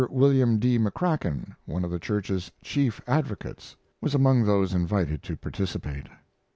William D. McCrackan, one of the church's chief advocates, was among those invited to participate.